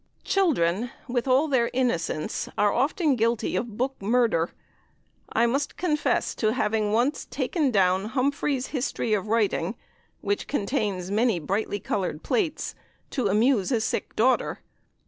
Children, with all their innocence, are often guilty of book murder. I must confess to having once taken down "Humphrey's History of Writing," which contains many brightly coloured plates, to amuse a sick daughter.